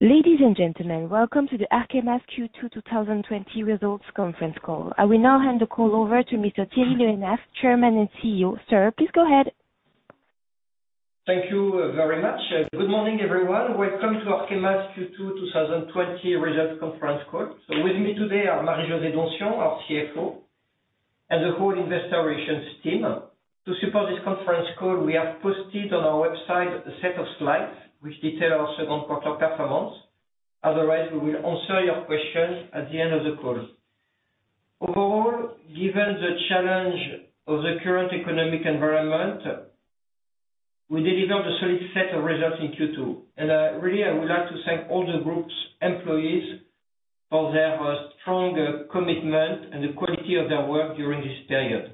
Ladies and gentlemen, welcome to the Arkema's Q2 2020 results conference call. I will now hand the call over to Mr. Thierry Le Hénaff, Chairman and CEO. Sir, please go ahead. Thank you very much. Good morning, everyone. Welcome to Arkema's Q2 2020 results conference call. With me today are Marie-José Donsion, our CFO, and the whole investor relations team. To support this conference call, we have posted on our website a set of slides which detail our second quarter performance. We will answer your questions at the end of the call. Overall, given the challenge of the current economic environment, we delivered a solid set of results in Q2. Really, I would like to thank all the Group's employees for their strong commitment and the quality of their work during this period.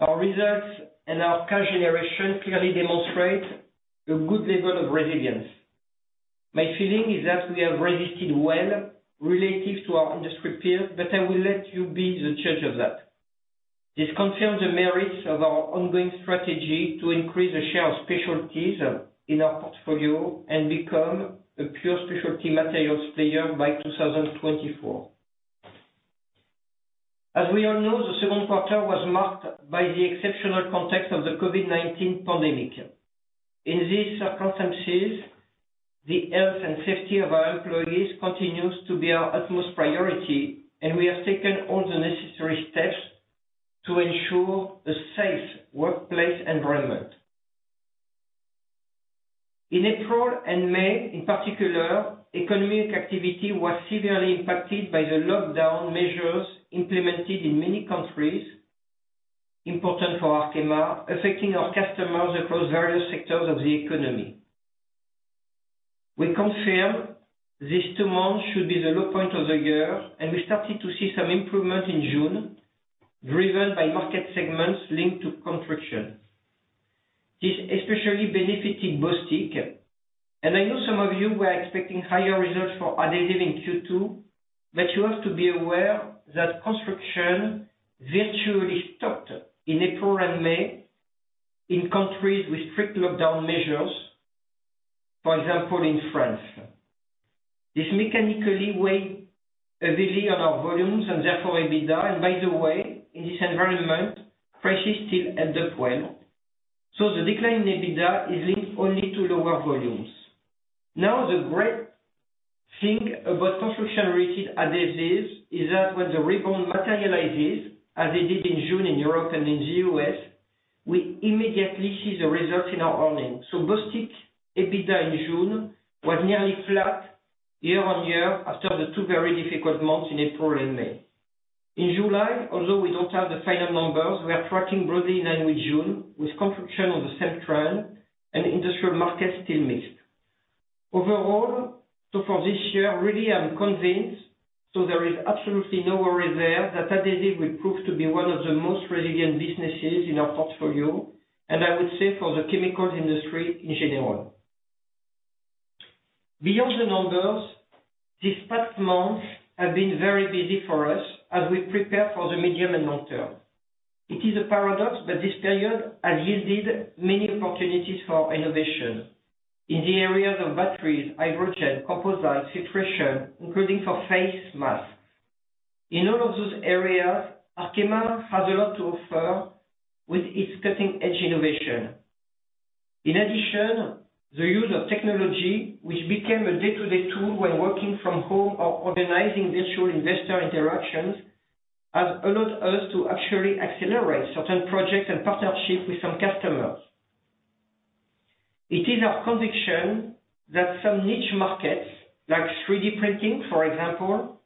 Our results and our cash generation clearly demonstrate a good level of resilience. My feeling is that we have resisted well relative to our industry peers. I will let you be the judge of that. This confirms the merits of our ongoing strategy to increase the share of specialties in our portfolio and become a pure specialty materials player by 2024. As we all know, the second quarter was marked by the exceptional context of the COVID-19 pandemic. In these circumstances, the health and safety of our employees continues to be our utmost priority, and we have taken all the necessary steps to ensure a safe workplace environment. In April and May, in particular, economic activity was severely impacted by the lockdown measures implemented in many countries important for Arkema, affecting our customers across various sectors of the economy. We confirm these two months should be the low point of the year, and we started to see some improvement in June, driven by market segments linked to construction. This especially benefited Bostik. I know some of you were expecting higher results for Adhesive in Q2, but you have to be aware that construction virtually stopped in April and May in countries with strict lockdown measures. For example, in France. This mechanically weighed heavily on our volumes and therefore EBITDA. By the way, in this environment, prices still end up well, so the decline in EBITDA is linked only to lower volumes. The great thing about construction-related adhesives is that when the rebound materializes, as it did in June in Europe and in the U.S., we immediately see the results in our earnings. Bostik EBITDA in June was nearly flat year-on-year after the two very difficult months in April and May. In July, although we don't have the final numbers, we are tracking broadly in line with June, with construction on the same trend and industrial markets still mixed. Overall, so for this year, really, I'm convinced, so there is absolutely no worry there that Adhesive will prove to be one of the most resilient businesses in our portfolio, and I would say for the chemicals industry in general. Beyond the numbers, these past months have been very busy for us as we prepare for the medium and long term. It is a paradox, but this period has yielded many opportunities for innovation in the areas of batteries, hydrogen, composites, filtration, including for face masks. In all of those areas, Arkema has a lot to offer with its cutting-edge innovation. In addition, the use of technology, which became a day-to-day tool when working from home or organizing virtual investor interactions, has allowed us to actually accelerate certain projects and partnerships with some customers. It is our conviction that some niche markets, like 3D printing, for example,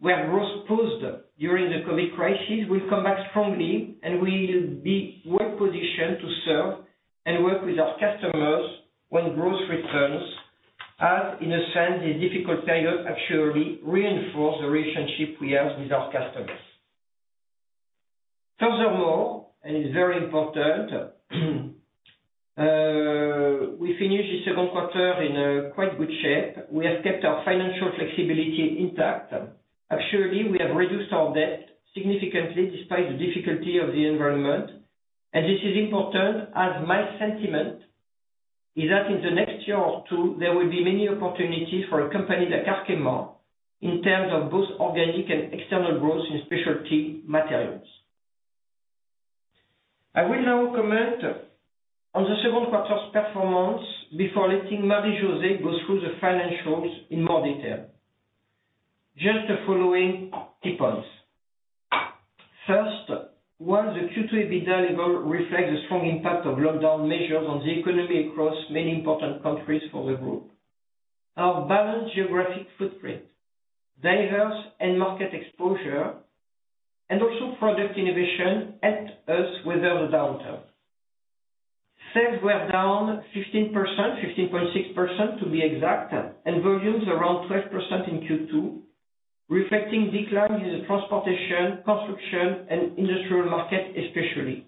where growth paused during the COVID crisis, will come back strongly and we'll be well-positioned to serve and work with our customers when growth returns, as in a sense, this difficult period actually reinforced the relationship we have with our customers. Furthermore, and it's very important, we finished the second quarter in a quite good shape. We have kept our financial flexibility intact. We have reduced our debt significantly despite the difficulty of the environment, and this is important, as my sentiment is that in the next year or two, there will be many opportunities for a company like Arkema in terms of both organic and external growth in Specialty Materials. I will now comment on the second quarter's performance before letting Marie-José go through the financials in more detail. Just the following key points. First, while the Q2 EBITDA level reflects the strong impact of lockdown measures on the economy across many important countries for the Group, our balanced geographic footprint, diverse end market exposure, and also product innovation helped us weather the downturn. Sales were down 15%, 15.6% to be exact, and volumes around 12% in Q2, reflecting declines in the transportation, construction, and industrial market especially.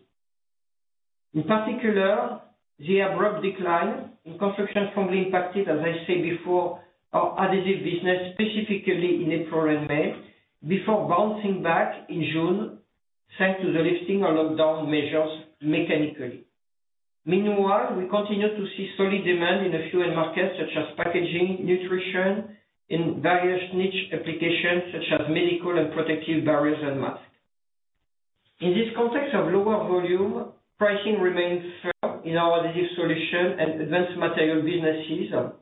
In particular, the abrupt decline in construction strongly impacted, as I said before, our Adhesive Solutions, specifically in April and May, before bouncing back in June thanks to the lifting of lockdown measures mechanically. Meanwhile, we continue to see solid demand in the food markets such as packaging, nutrition, in various niche applications such as medical and protective barriers and masks. In this context of lower volume, pricing remains firm in our Adhesive Solutions and Advanced Materials businesses,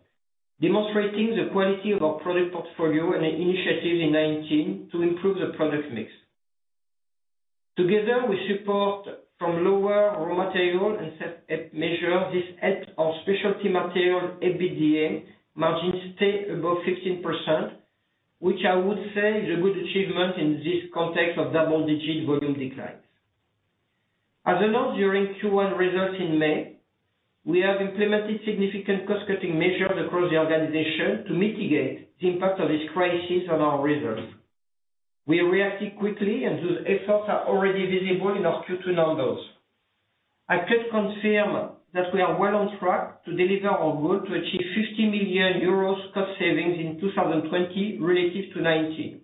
demonstrating the quality of our product portfolio and initiatives in 2019 to improve the product mix. Together with support from lower raw material and set measures, this helped our Specialty Materials EBITDA margin stay above 15%, which I would say is a good achievement in this context of double-digit volume declines. As announced during Q1 results in May, we have implemented significant cost-cutting measures across the organization to mitigate the impact of this crisis on our results. We reacted quickly, and those efforts are already visible in our Q2 numbers. I can confirm that we are well on track to deliver on goal to achieve 50 million euros cost savings in 2020 relative to 2019.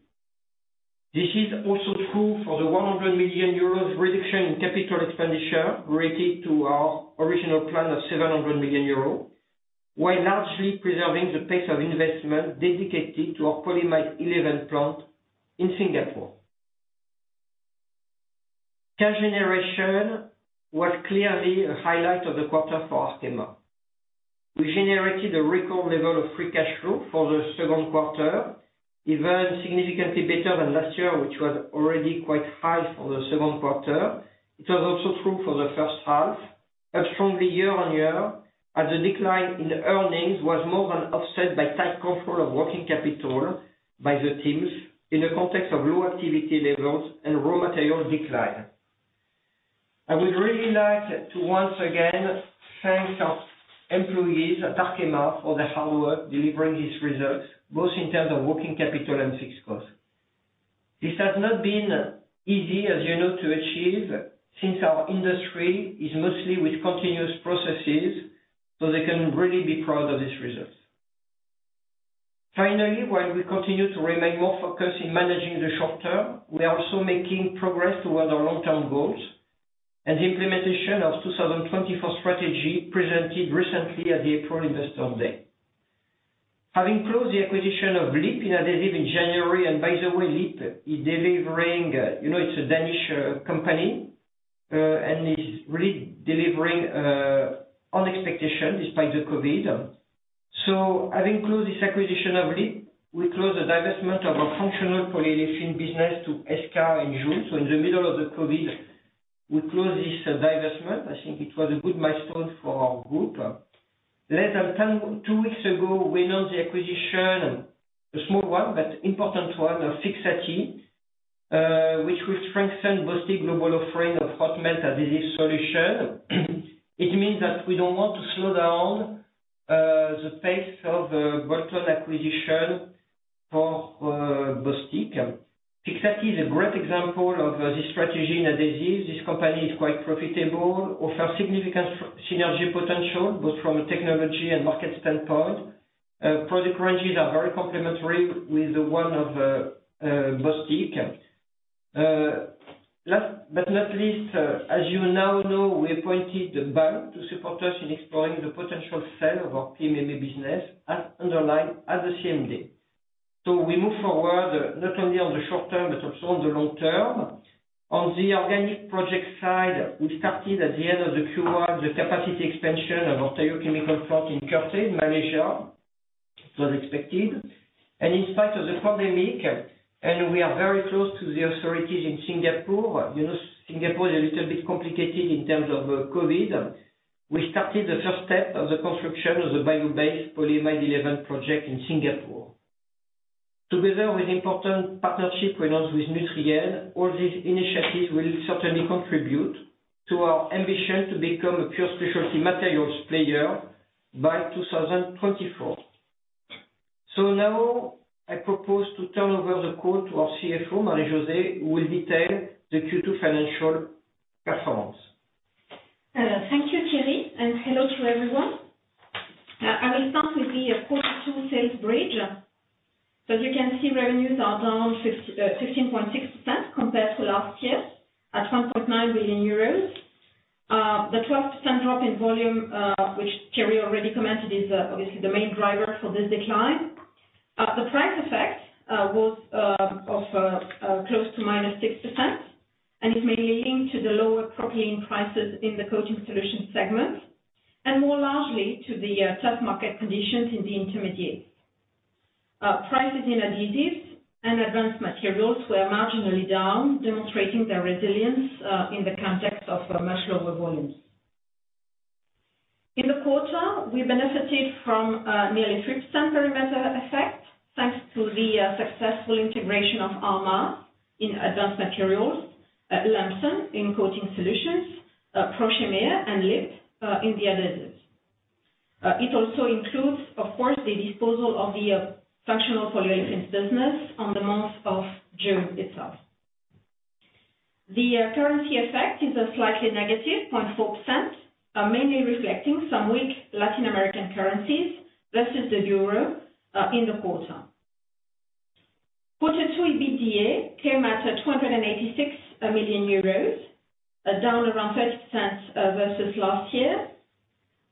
This is also true for the 100 million euros reduction in capital expenditure related to our original plan of 700 million euros, while largely preserving the pace of investment dedicated to our Polyamide 11 plant in Singapore. Cash generation was clearly a highlight of the quarter for Arkema. We generated a record level of free cash flow for the second quarter, even significantly better than last year, which was already quite high for the second quarter. It was also true for the first half, up strongly year-on-year, as the decline in earnings was more than offset by tight control of working capital by the teams in the context of low activity levels and raw material decline. I would really like to once again thank our employees at Arkema for their hard work delivering these results, both in terms of working capital and fixed cost. This has not been easy, as you know, to achieve since our industry is mostly with continuous processes, so they can really be proud of this result. Finally, while we continue to remain more focused in managing the short term, we are also making progress towards our long-term goals and the implementation of 2024 strategy presented recently at the April Investor Day. Having closed the acquisition of LIP in Adhesive in January, and by the way, LIP, it's a Danish company and is really delivering on expectation despite the COVID. Having closed this acquisition of LIP, we closed the divestment of our Functional Polyolefins business to SK in June. In the middle of the COVID, we closed this divestment. I think it was a good milestone for our group. Less than two weeks ago, we announced the acquisition, a small one, but important one, of Fixatti, which will strengthen Bostik global offering of hot melt adhesive solution. It means that we don't want to slow down the pace of bolt-on acquisition for Bostik. Fixatti is a great example of this strategy in adhesives. This company is quite profitable, offers significant synergy potential, both from a technology and market standpoint. Product ranges are very complementary with the one of Bostik. Last but not least, as you now know, we appointed bank to support us in exploring the potential sale of our PMMA business as underlined at the CMD. We move forward not only on the short term, but also on the long term. On the organic project side, we started at the end of the Q1, the capacity expansion of our chemical plant in Kertih, Malaysia, as expected. In spite of the pandemic, we are very close to the authorities in Singapore. Singapore is a little bit complicated in terms of COVID. We started the first step of the construction of the bio-based Polyamide 11 project in Singapore. Together with important partnership announced with Nutrien, all these initiatives will certainly contribute to our ambition to become a pure Specialty Materials player by 2024. Now I propose to turn over the call to our CFO, Marie-José, who will detail the Q2 financial performance. Thank you, Thierry, and hello to everyone. I will start with the Q2 sales bridge. As you can see, revenues are down 15.6% compared to last year at 1.9 billion euros. The 12% drop in volume, which Thierry already commented, is obviously the main driver for this decline. The price effect was close to -6% and is mainly linked to the lower propylene prices in the Coating Solutions segment, and more largely to the tough market conditions in the Intermediates. Prices in Adhesive Solutions and Advanced Materials were marginally down, demonstrating their resilience in the context of much lower volumes. In the quarter, we benefited from a nearly 3% perimeter effect, thanks to the successful integration of ArrMaz in Advanced Materials, Lambson in Coating Solutions, Prochimir and LIP in the Adhesive Solutions. It also includes, of course, the disposal of the Functional Polyolefins business on the month of June itself. The currency effect is a slightly -0.4%, mainly reflecting some weak Latin American currencies versus the EUR in the quarter. Quarter two EBITDA came out at 286 million euros, down around 30% versus last year.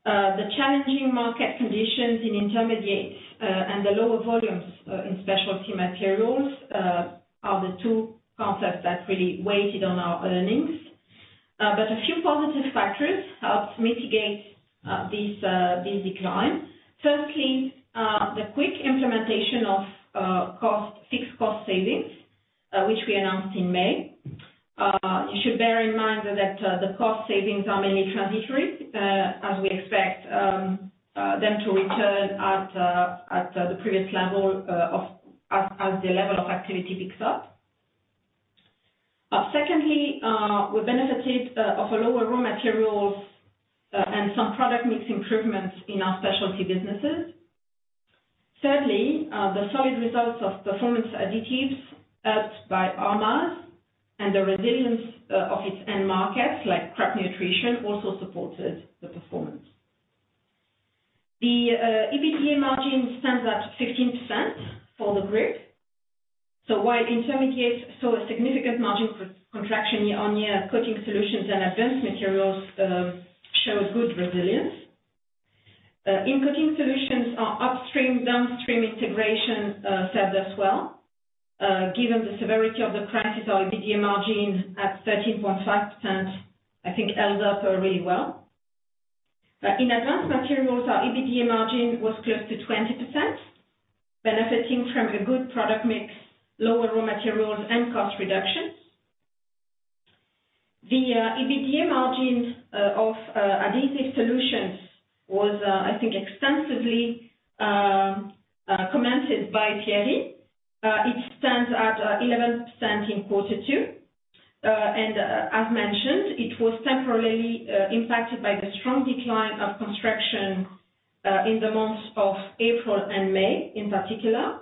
The challenging market conditions in Intermediates and the lower volumes in Specialty Materials are the two concepts that really weighted on our earnings. A few positive factors helped mitigate this decline. Firstly, the quick implementation of fixed cost savings, which we announced in May. You should bear in mind that the cost savings are mainly transitory, as we expect them to return at the previous level as the level of activity picks up. Secondly, we benefited from our lower raw materials and some product mix improvements in our specialty businesses. Thirdly, the solid results of Performance Additives helped by ArrMaz and the resilience of its end markets like crop nutrition also supported the performance. The EBITDA margin stands at 15% for the group. While Intermediates saw a significant margin contraction year-on-year, Coating Solutions and Advanced Materials showed good resilience. In Coating Solutions, our upstream/downstream integration served us well. Given the severity of the crisis, our EBITDA margin at 13.5%, I think held up really well. In Advanced Materials, our EBITDA margin was close to 20%, benefiting from a good product mix, lower raw materials, and cost reductions. The EBITDA margin of Adhesive Solutions was, I think, extensively commented by Thierry. It stands at 11% in quarter two. As mentioned, it was temporarily impacted by the strong decline of construction in the months of April and May in particular,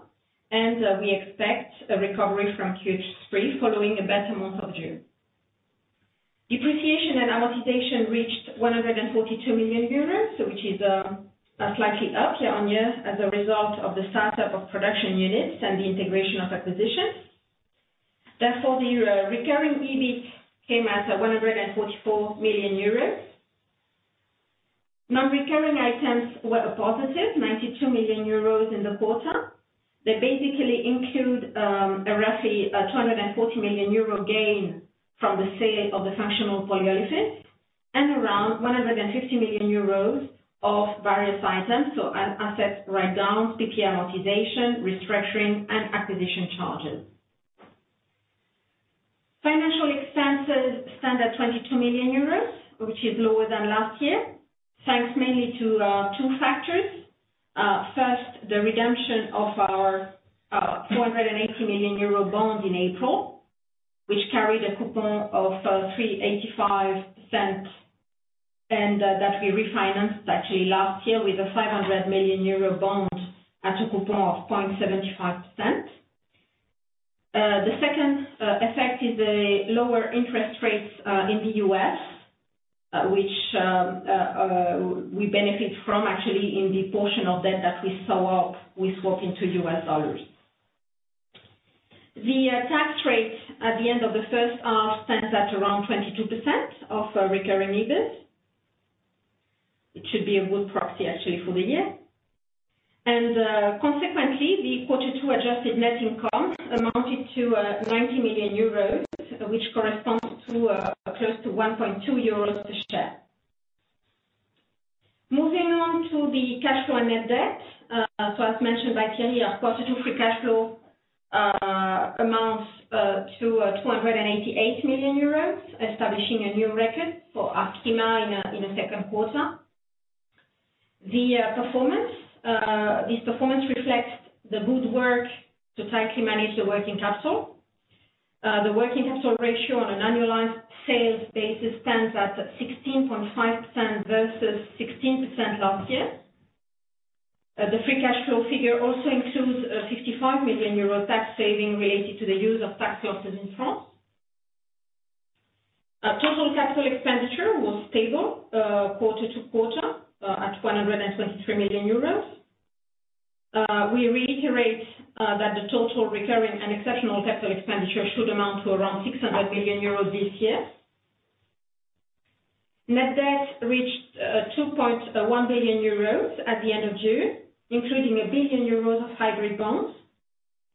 and we expect a recovery from Q3 following a better month of June. Depreciation and amortization reached 142 million euros, which is slightly up year-on-year as a result of the start-up of production units and the integration of acquisitions. The recurring EBIT came out at 144 million euros. Non-recurring items were a positive, 92 million euros in the quarter. They basically include a roughly a 240 million euro gain from the sale of the Functional Polyolefins and around 150 million euros of various items. Assets write-down, PPE amortization, restructuring, and acquisition charges. Financial expenses stand at 22 million euros, which is lower than last year, thanks mainly to two factors. First, the redemption of our 480 million euro bond in April, which carried a coupon of 3.85%, and that we refinanced actually last year with a 500 million euro bond at a coupon of 0.75%. The second effect is the lower interest rates in the U.S., which we benefit from actually in the portion of debt that we swap into US dollars. The tax rate at the end of the first half stands at around 22% of recurring EBIT. It should be a good proxy actually for the year. Consequently, the quarter two adjusted net income amounted to 90 million euros, which corresponds to close to 1.2 euros share. Moving on to the cash flow net debt. As mentioned by Thierry, our quarter two free cash flow amounts to 288 million euros, establishing a new record for Arkema in a second quarter. This performance reflects the good work to tightly manage the working capital. The working capital ratio on an annualized sales basis stands at 16.5% versus 16% last year. The free cash flow figure also includes a 55 million euro tax saving related to the use of tax losses in France. Total capital expenditure was stable quarter-over-quarter at 123 million euros. We reiterate that the total recurring and exceptional capital expenditure should amount to around 600 million euros this year. Net debt reached 2.1 billion euros at the end of June, including 1 billion euros of hybrid bonds.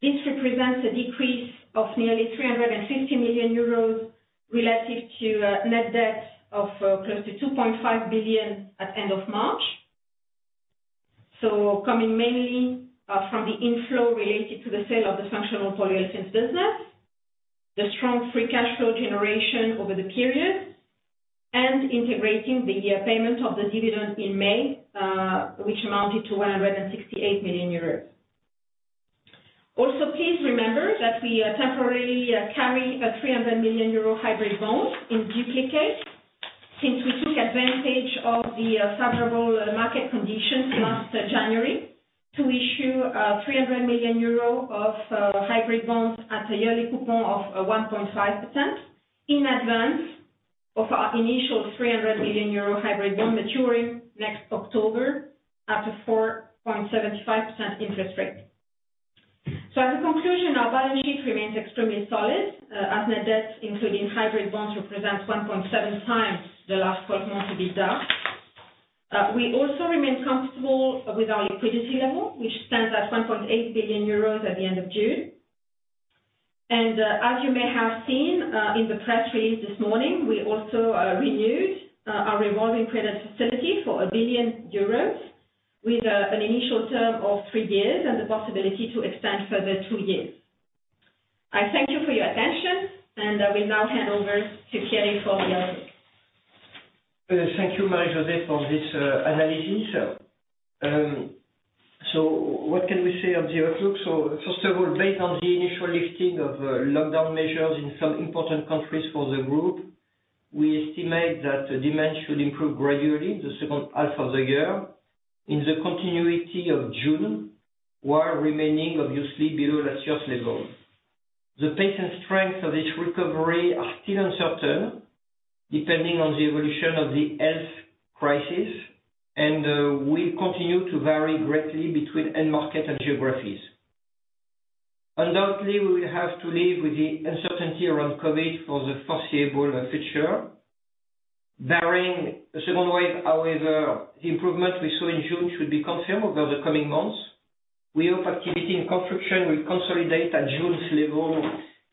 This represents a decrease of nearly 350 million euros relative to net debt of close to 2.5 billion at end of March. Coming mainly from the inflow related to the sale of the Functional Polyolefins business, the strong free cash flow generation over the period, and integrating the payment of the dividend in May, which amounted to 168 million euros. Please remember that we temporarily carry a 300 million euro hybrid bond in duplicate since we took advantage of the favorable market conditions last January to issue 300 million euro of hybrid bonds at a yearly coupon of 1.5% in advance of our initial 300 million euro hybrid bond maturing next October at a 4.75% interest rate. As a conclusion, our balance sheet remains extremely solid. As net debt, including hybrid bonds, represents 1.7x the last 12 months' EBITDA. We also remain comfortable with our liquidity level, which stands at 1.8 billion euros at the end of June. As you may have seen in the press release this morning, we also renewed our revolving credit facility for 1 billion euros with an initial term of three years and the possibility to extend further two years. I thank you for your attention, and I will now hand over to Thierry for the outlook. Thank you, Marie-José, for this analysis. What can we say on the outlook? First of all, based on the initial lifting of lockdown measures in some important countries for the group, we estimate that demand should improve gradually in the second half of the year, in the continuity of June, while remaining obviously below last year's levels. The pace and strength of each recovery are still uncertain, depending on the evolution of the health crisis, and will continue to vary greatly between end market and geographies. Undoubtedly, we will have to live with the uncertainty around COVID for the foreseeable future. Barring a second wave, however, the improvement we saw in June should be confirmed over the coming months. We hope activity and construction will consolidate at June's level.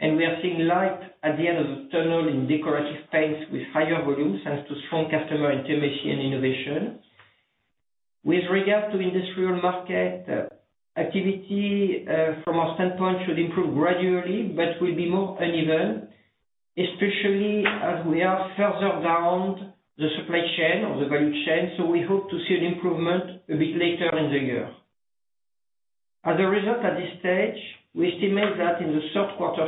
We are seeing light at the end of the tunnel in decorative paints with higher volumes, thanks to strong customer intimacy and innovation. With regard to industrial market activity, from our standpoint, should improve gradually, but will be more uneven, especially as we are further down the supply chain or the value chain. We hope to see an improvement a bit later in the year. As a result, at this stage, we estimate that in the third quarter,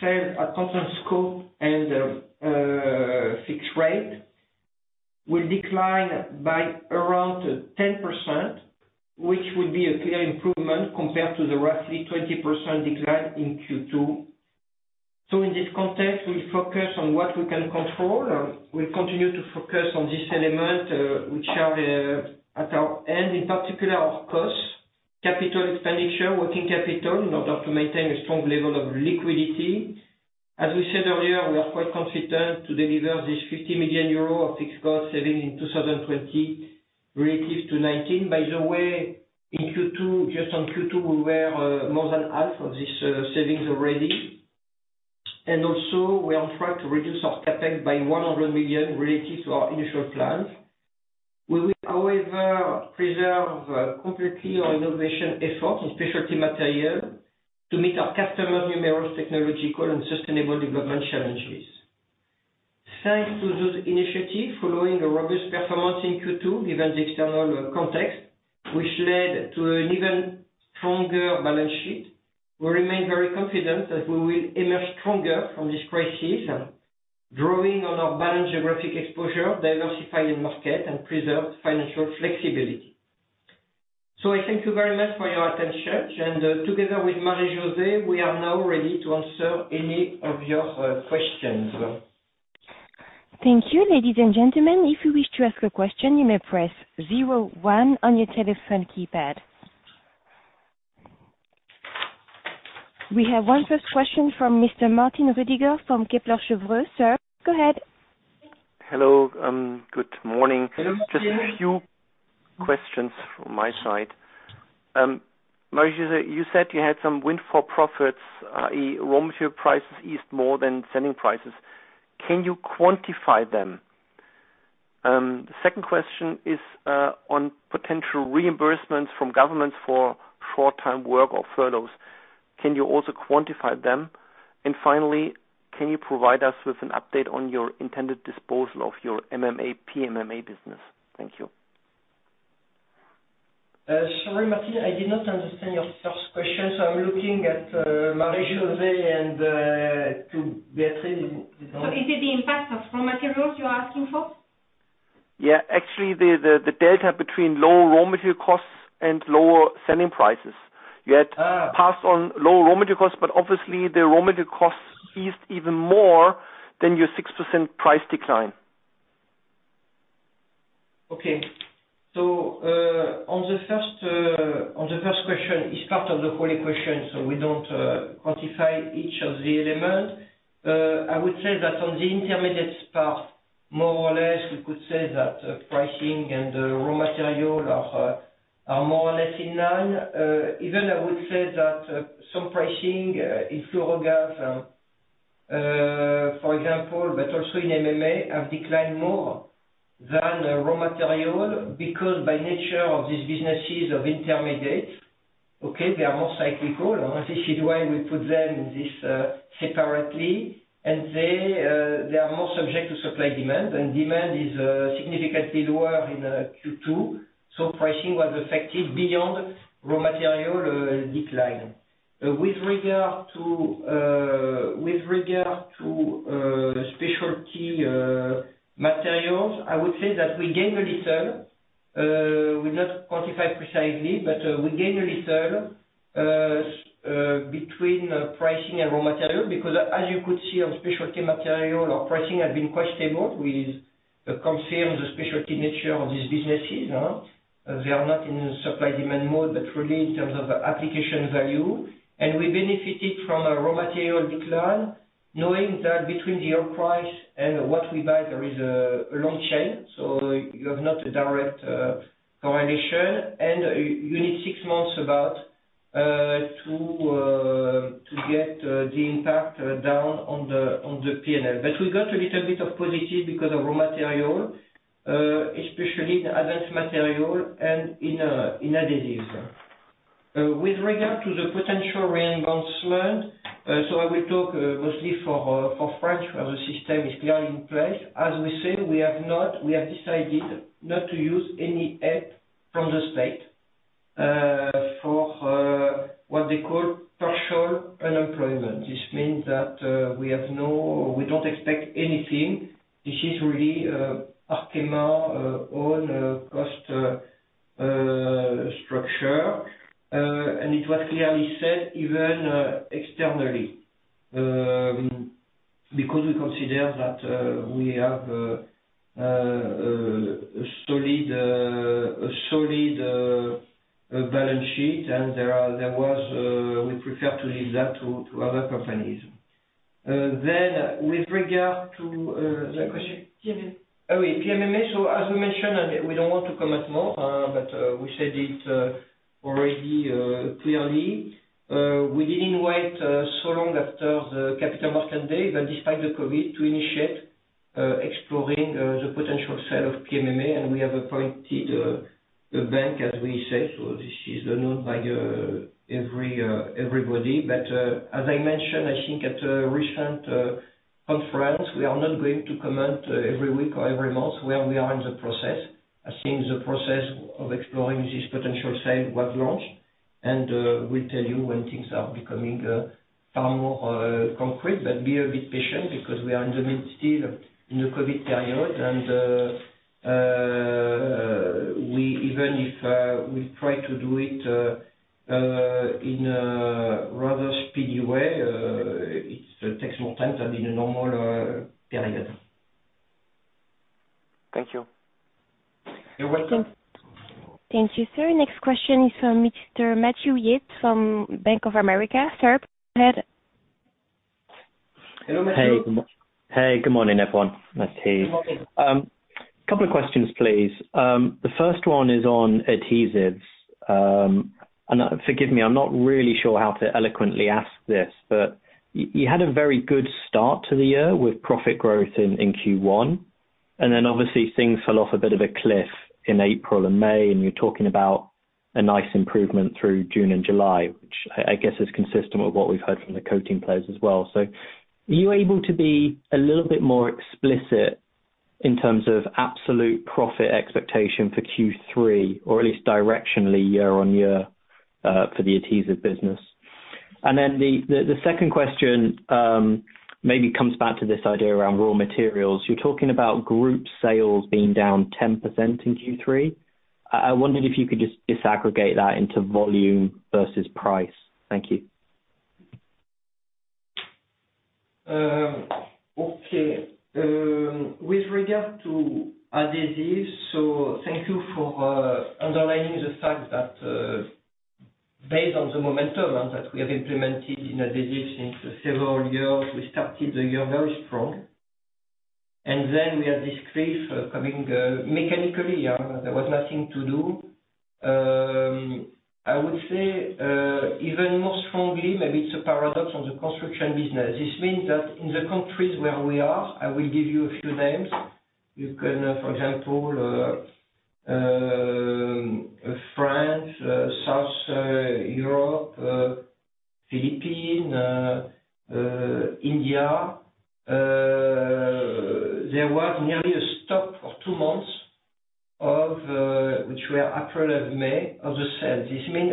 sales at constant scope and fixed rate will decline by around 10%, which would be a clear improvement compared to the roughly 20% decline in Q2. In this context, we focus on what we can control. We'll continue to focus on this element, which are at our end. In particular, our costs, capital expenditure, working capital, in order to maintain a strong level of liquidity. As we said earlier, we are quite confident to deliver this 50 million euro of fixed cost saving in 2020 relative to 2019. By the way, in Q2, just on Q2, we were more than half of these savings already. Also, we are on track to reduce our CapEx by 100 million relative to our initial plans. We will, however, preserve completely our innovation efforts on Specialty Materials to meet our customers' numerous technological and sustainable development challenges. Thanks to those initiatives, following a robust performance in Q2, given the external context, which led to an even stronger balance sheet, we remain very confident that we will emerge stronger from this crisis, drawing on our balanced geographic exposure, diversified end market, and preserved financial flexibility. I thank you very much for your attention, and together with Marie-José, we are now ready to answer any of your questions. Thank you. Ladies and gentlemen, if you wish to ask a question, you may press zero one on your telephone keypad. We have one first question from Mr. Martin Roediger from Kepler Cheuvreux. Sir, go ahead. Hello. Good morning. Hello, Martin. Just a few questions from my side. Marie-José, you said you had some windfall profits, i.e., raw material prices eased more than selling prices. Can you quantify them? The second question is on potential reimbursements from governments for full-time work or furloughs. Can you also quantify them? Finally, can you provide us with an update on your intended disposal of your MMA/PMMA business? Thank you. Sorry, Martin, I did not understand your first question. I'm looking at Marie-José and to Beatrice. Is it the impact of raw materials you are asking for? Yeah. Actually, the delta between low raw material costs and lower selling prices. Passed on low raw material costs, but obviously the raw material costs eased even more than your 6% price decline. Okay. On the first question, it's part of the whole equation, we don't quantify each of the elements. I would say that on the Intermediate part, more or less, we could say that pricing and raw material are more or less in line. Even I would say that some pricing in Fluorogases, for example, but also in MMA, have declined more than raw material, because by nature of these businesses of Intermediate, okay, they are more cyclical. This is why we put them separately. They are more subject to supply-demand, and demand is significantly lower in Q2, so pricing was affected beyond raw material decline. With regard to Specialty Materials, I would say that we gained a little. We not quantify precisely, but we gain a little between pricing and raw material because as you could see on Specialty Materials, our pricing has been quite stable. We confirm the specialty nature of these businesses. They are not in supply/demand mode, but really in terms of application value. We benefited from a raw material decline, knowing that between the oil price and what we buy, there is a long chain, you have not a direct correlation, and you need six months about to get the impact down on the P&L. We got a little bit of positive because of raw material, especially the Advanced Materials and in Adhesive Solutions. With regard to the potential reimbursement, I will talk mostly for French, where the system is clear in place. As we said, we have decided not to use any aid from the state, for what they call partial unemployment. This means that we don't expect anything. This is really Arkema own cost structure. It was clearly said even externally, because we consider that we have a solid balance sheet, and we prefer to leave that to other companies. With regard to the question. PMMA. PMMA. As we mentioned, and we don't want to comment more, but we said it already clearly. We didn't wait so long after the Capital Markets Day, but despite the COVID, to initiate exploring the potential sale of PMMA, and we have appointed a bank, as we said, so this is known by everybody. As I mentioned, I think at a recent conference, we are not going to comment every week or every month where we are in the process, as the process of exploring this potential sale was launched. We'll tell you when things are becoming far more concrete, but be a bit patient because we are in the midst still in the COVID period and even if we try to do it in a rather speedy way, it takes more time than in a normal period. Thank you. You're welcome. Thank you, sir. Next question is from Mr. Matthew Yates from Bank of America. Sir, go ahead. Hello, Matthew. Hey. Good morning, everyone. Matthew. Good morning. Couple of questions, please. The first one is on adhesives. Forgive me, I'm not really sure how to eloquently ask this, but you had a very good start to the year with profit growth in Q1, and then obviously things fell off a bit of a cliff in April and May, and you're talking about a nice improvement through June and July, which I guess is consistent with what we've heard from the coating players as well. Are you able to be a little bit more explicit in terms of absolute profit expectation for Q3, or at least directionally year-on-year, for the adhesives business? The second question maybe comes back to this idea around raw materials. You're talking about group sales being down 10% in Q3. I wondered if you could just disaggregate that into volume versus price. Thank you. Okay. With regard to adhesives, thank you for underlining the fact that based on the momentum that we have implemented in adhesives since several years, we started the year very strong. Then we had this cliff coming mechanically. There was nothing to do. I would say even more strongly, maybe it's a paradox on the construction business. This means that in the countries where we are, I will give you a few names. You can, for example, France, South Europe, Philippines, India, there was nearly a stop of two months, which were April and May, of the sales. This means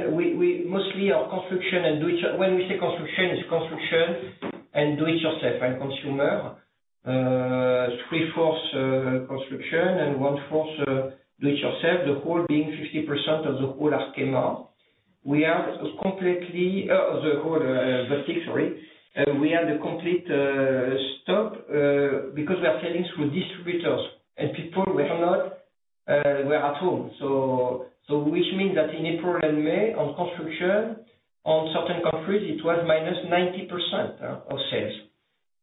mostly our construction and when we say construction, it's construction and do it yourself and consumer. Three-fourths construction and one-fourth do it yourself, the whole being 50% of the whole Arkema. We had a complete stop because we are selling through distributors and people were not at home. Which means that in April and May, on construction, on certain countries, it was -90% of sales.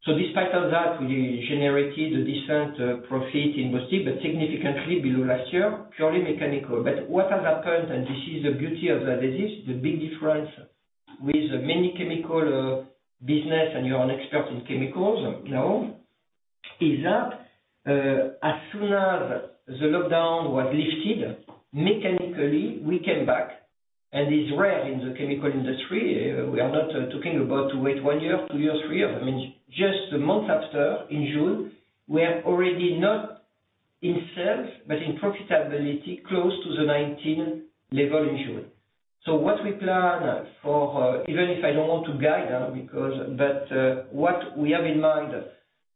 Despite of that, we generated a decent profit in mostly, but significantly below last year, purely mechanical. What has happened, and this is the beauty of adhesives, the big difference with many chemical business, and you're an expert in chemicals, Jerome, is that, as soon as the lockdown was lifted, mechanically, we came back, and it's rare in the chemical industry. We are not talking about to wait one year, two years, three years. Just a month after, in June, we are already not in sales, but in profitability, close to the 2019 level in June. What we plan for, even if I don't want to guide, but what we have in mind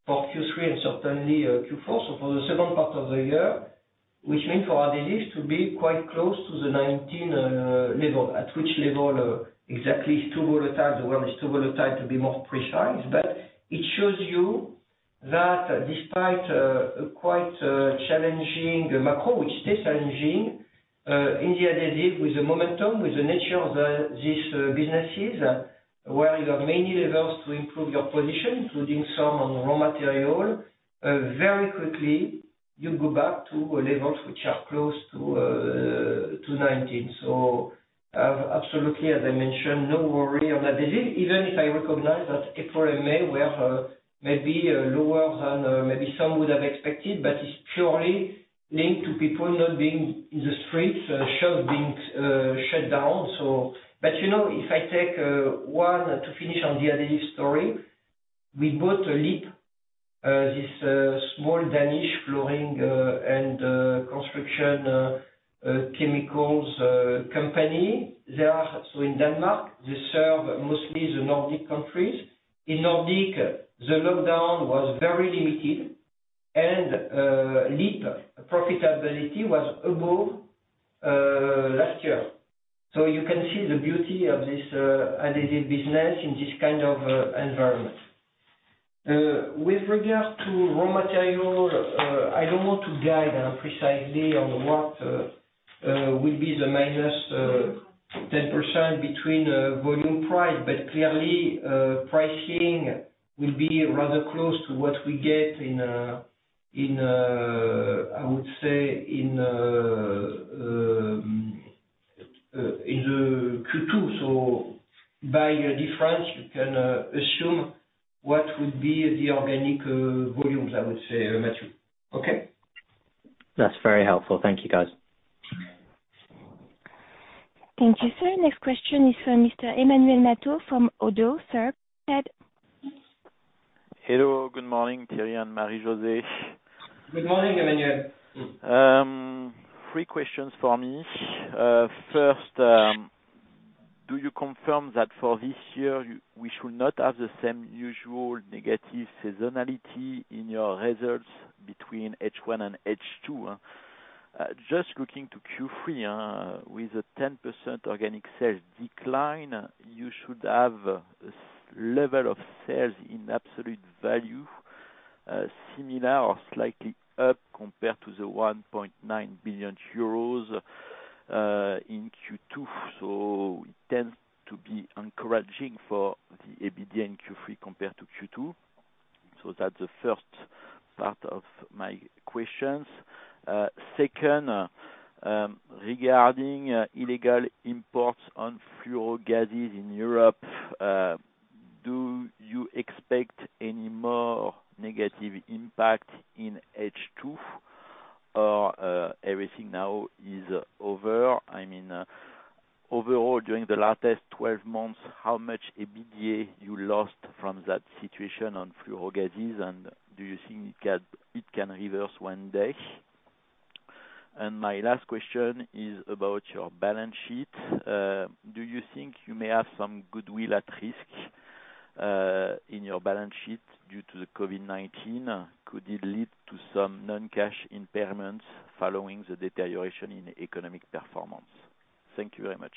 for Q3 and certainly Q4, so for the second part of the year, which means for Adhesive to be quite close to the 2019 level, at which level exactly is too volatile, to be more precise. It shows you that despite quite a challenging macro, which stays challenging, in the Adhesive with the momentum, with the nature of these businesses, where you have many levels to improve your position, including some on raw material, very quickly, you go back to levels which are close to 2019. Absolutely, as I mentioned, no worry on Adhesive, even if I recognize that April and May were maybe lower than maybe some would have expected, but it's purely linked to people not being in the streets, shops being shut down. If I take one to finish on the Adhesive story, we bought LIP, this small Danish flooring and construction chemicals company. They are in Denmark. They serve mostly the Nordic countries. In Nordic, the lockdown was very limited and LIP profitability was above last year. You can see the beauty of this Adhesive business in this kind of environment. With regards to raw material, I don't want to guide precisely on what will be the minus 10% between volume price, but clearly pricing will be rather close to what we get in, I would say, Q2. By difference, you can assume what would be the organic volumes, I would say, Matthew. Okay? That's very helpful. Thank you, guys. Thank you, sir. Next question is from Mr. Emmanuel Matot from Oddo. Sir, go ahead. Hello. Good morning, Thierry and Marie-José. Good morning, Emmanuel. Three questions for me. Do you confirm that for this year, we should not have the same usual negative seasonality in your results between H1 and H2? Looking to Q3, with a 10% organic sales decline, you should have a level of sales in absolute value, similar or slightly up compared to the 1.9 billion euros in Q2. It tends to be encouraging for the EBITDA in Q3 compared to Q2. That's the first part of my questions. Regarding illegal imports on Fluorogases in Europe, do you expect any more negative impact in H2 or everything now is over? Overall, during the last 12 months, how much EBITDA you lost from that situation on Fluorogases, and do you think it can reverse one day? My last question is about your balance sheet. Do you think you may have some goodwill at risk in your balance sheet due to the COVID-19? Could it lead to some non-cash impairments following the deterioration in economic performance? Thank you very much.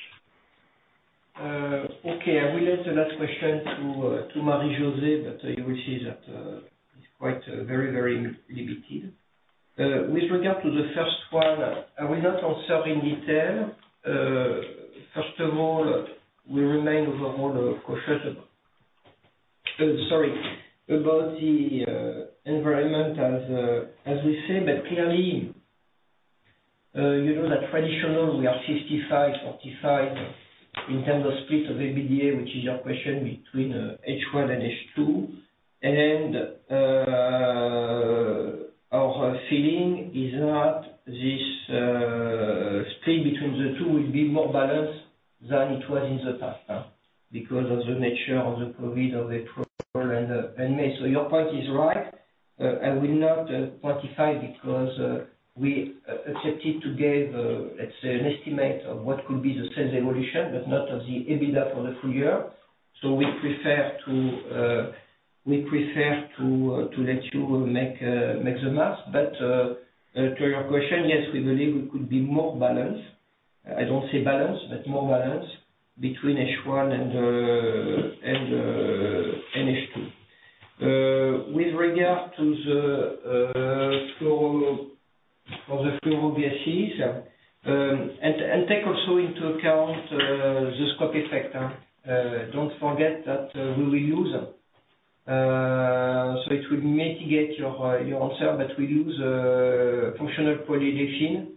Okay. I will let the last question to Marie-José, but you will see that it's very limited. With regard to the first one, I will not answer in detail. First of all, we remain overall cautious about the environment as we say. Clearly, you know that traditionally, we are 55, 45 in terms of split of EBITDA, which is your question between H1 and H2. Our feeling is that this split between the two will be more balanced than it was in the past because of the nature of the COVID-19, of April and May. Your point is right. I will not quantify because we accepted to give, let's say, an estimate of what could be the sales evolution, but not of the EBITDA for the full year. We prefer to let you make the math. To your question, yes, we believe it could be more balanced. I don't say balanced, but more balanced between H1 and H2. With regard to the Fluorogases, and take also into account the scope effect. Don't forget that we will lose. It will mitigate your answer, but we lose Functional Polyolefins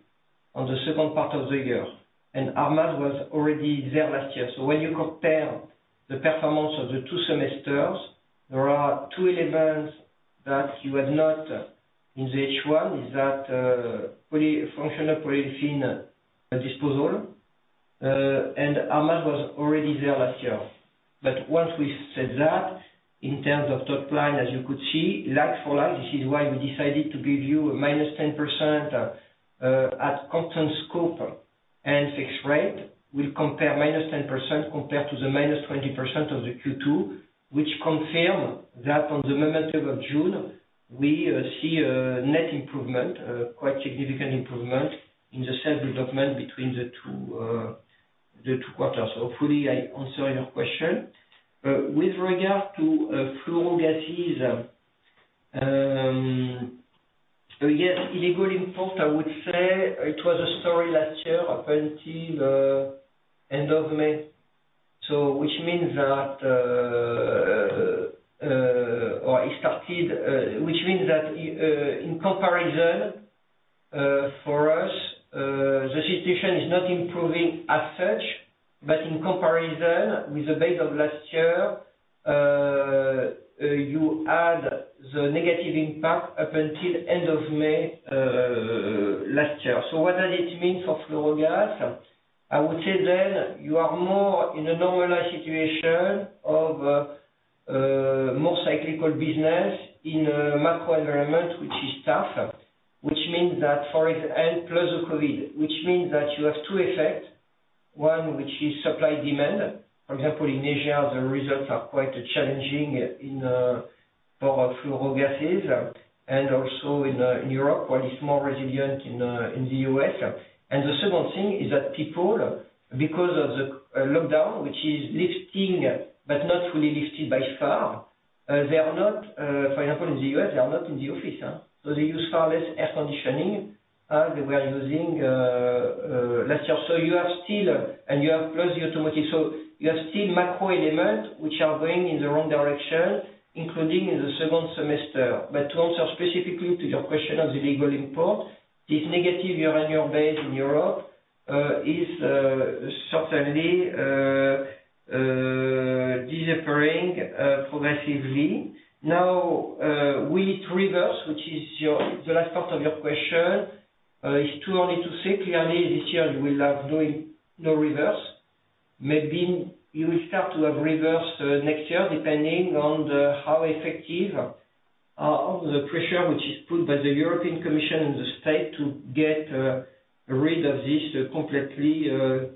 on the second part of the year, and ArrMaz was already there last year. When you compare the performance of the two semesters, there are two elements that you had not in the H1, is that Functional Polyolefins disposal, and ArrMaz was already there last year. Once we've said that, in terms of top line, as you could see, like for like, this is why we decided to give you a -10% at constant scope and fixed rate, we compare -10% compared to the -20% of the Q2, which confirm that on the momentum of June, we see a net improvement, quite significant improvement in the sales development between the two quarters. Hopefully, I answer your question. With regard to Fluorogases, yes, illegal import, I would say it was a story last year up until end of May. In comparison, for us, the situation is not improving as such, but in comparison with the base of last year, you add the negative impact up until end of May last year. What does it mean for Fluorogases? I would say you are more in a normalized situation of more cyclical business in a macro environment which is tough. Plus the COVID, which means that you have two effects. One, which is supply demand. For example, in Asia, the results are quite challenging in power Fluorogases and also in Europe, while it's more resilient in the U.S. The second thing is that people, because of the lockdown, which is lifting but not fully lifted by far, they are not, for example, in the U.S., they are not in the office. They use far less air conditioning than they were using last year. You have plus the automotive. You have still macro elements which are going in the wrong direction, including in the second semester. To answer specifically to your question on the legal import, this negative year-on-year base in Europe is certainly disappearing progressively. Will it reverse, which is the last part of your question? It's too early to say. Clearly, this year we are doing no reverse. Maybe you will start to have reverse next year, depending on how effective of the pressure which is put by the European Commission and the state to get rid of this completely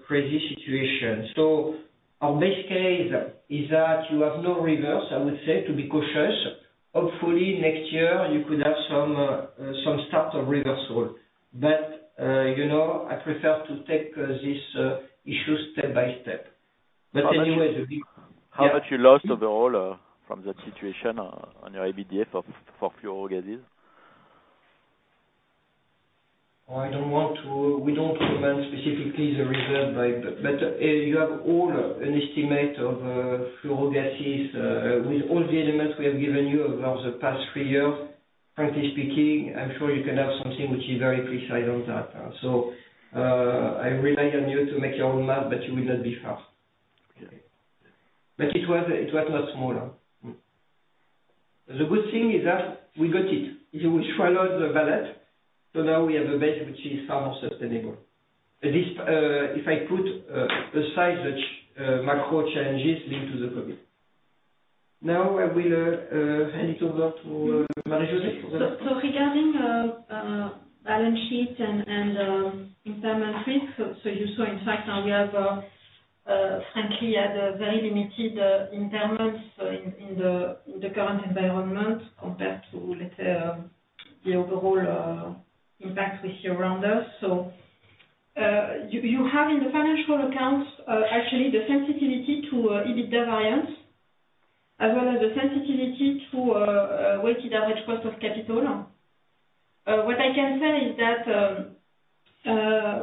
crazy situation. Our best case is that you have no reverse, I would say, to be cautious. Hopefully, next year you could have some start of reversal. I prefer to take this issue step by step. How much you lost overall from that situation on your EBITDA for Fluorogases? We don't comment specifically the result. You have all an estimate of Fluorogases with all the elements we have given you over the past three years. Frankly speaking, I'm sure you can have something which is very precise on that. I rely on you to make your own math, but you will not be far. Okay. It was not small. The good thing is that we got it. You swallow the bullet, so now we have a base which is far more sustainable. If I put aside the macro challenges linked to the COVID. Now I will hand it over to Marie-José. Regarding balance sheet and impairment risk. You saw, in fact, we have frankly had very limited impairments in the current environment compared to, let's say, the overall impact we see around us. You have in the financial accounts, actually, the sensitivity to EBITDA variance as well as the sensitivity to a weighted average cost of capital. What I can say is that,